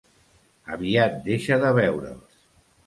Aviat deixa de veure'ls.